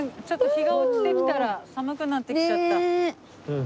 ちょっと日が落ちてきたら寒くなってきちゃった。